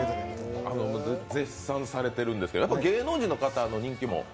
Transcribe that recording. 絶賛されてるんですけど、芸能人の方の人気も？